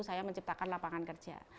saya menciptakan lapangan kerja